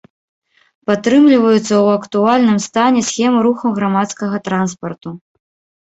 Падтрымліваюцца ў актуальным стане схемы руху грамадскага транспарту.